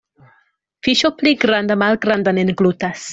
Fiŝo pli granda malgrandan englutas.